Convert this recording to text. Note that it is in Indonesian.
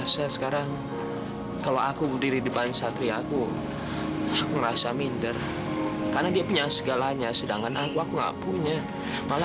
sampai jumpa di video selanjutnya